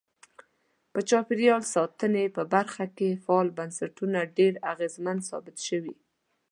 په چاپیریال ساتنې په برخه کې فعال بنسټونه ډیر اغیزمن ثابت شوي.